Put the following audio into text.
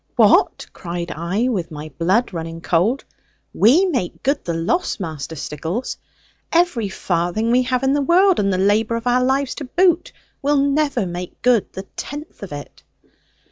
'What!' cried I, with my blood running cold. 'We make good the loss, Master Stickles! Every farthing we have in the world, and the labour of our lives to boot, will never make good the tenth of it.'